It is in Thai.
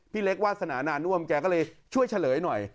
เล็กวาสนานาน่วมแกก็เลยช่วยเฉลยหน่อย